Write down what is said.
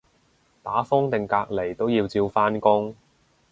打風定隔離都要照返工